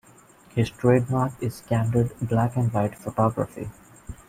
His trademark is candid black-and-white photography.